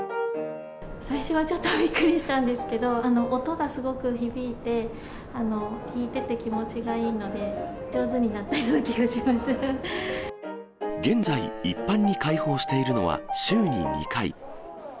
最初はちょっとびっくりしたんですけど、音がすごく響いて、弾いてて気持ちがいいので、現在、一般に開放しているのは、週に２回。